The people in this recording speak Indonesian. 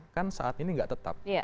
kan saat ini nggak tetap